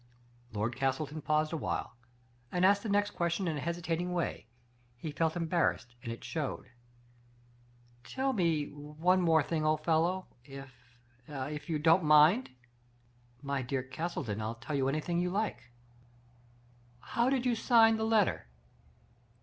Lord Castleton paused awhile, and asked the next question in a hesitating way. He felt em barrassed, and showed it : "Tell me one thing more, old fellow — if — if you don't mind." " My dear Castleton, Til tell you anything you like." " How did you sign the letter